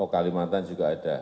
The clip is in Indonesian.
oh kalimantan juga ada